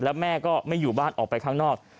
แล้วแม่ก็ไม่อยู่บ้านออกไปข้างนอก